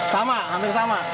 sama hampir sama